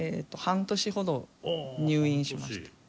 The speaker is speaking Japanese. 半年ほど入院しました。